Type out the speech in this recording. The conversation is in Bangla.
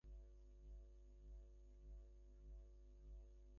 সত্যের উপর প্রতিষ্ঠিত হও, তা হলেই তুমি ভগবানকে লাভ করবে।